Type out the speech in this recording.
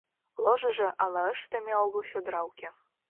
Ложыжо але ыштыме огыл Чодыра уке.